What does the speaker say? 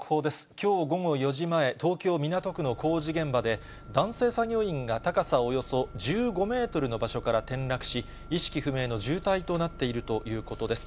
きょう午後４時前、東京・港区の工事現場で、男性作業員が高さおよそ１５メートルの場所から転落し、意識不明の重体となっているということです。